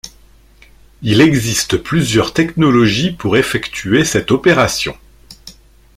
Il existe plusieurs technologies pour effectuer cette opération.